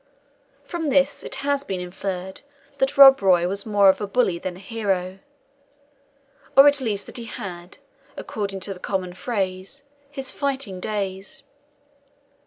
From this it has been inferred, that Rob Roy was more of a bully than a hero, or at least that he had, according to the common phrase, his fighting days.